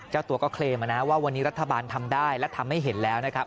เจ้าตัวก็เคลมมานะว่าวันนี้รัฐบาลทำได้และทำให้เห็นแล้วนะครับ